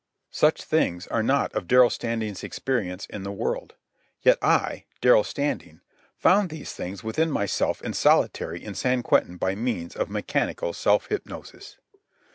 Such things are not of Darrell Standing's experience in the world. Yet I, Darrell Standing, found these things within myself in solitary in San Quentin by means of mechanical self hypnosis.